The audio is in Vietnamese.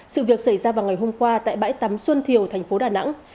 sự việc xảy ra vào ngày hôm qua tại bãi tắm xuân thiều thành phố đà nẵng